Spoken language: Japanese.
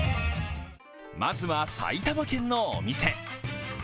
まずは埼玉県のお店。